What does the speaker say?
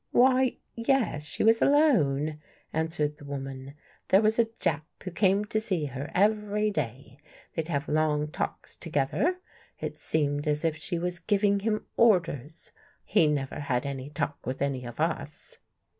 " "Why — yes, she was alone," answered the woman. "There was a Jap who came to see her every day. They'd have long talks together. It seemed as if she was giving him orders. He never had any talk with any of us."